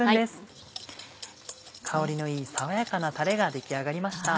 香りのいい爽やかなタレが出来上がりました。